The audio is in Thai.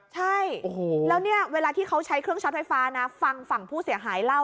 ใช่แล้วเนี่ยเวลาที่เขาใช้เครื่องช็อตไฟฟ้านะฟังฝั่งผู้เสียหายเล่า